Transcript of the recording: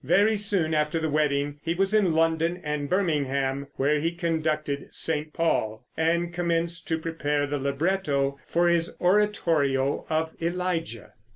Very soon after the wedding he was in London and Birmingham, where he conducted "St. Paul" and commenced to prepare the libretto for his oratorio of "Elijah."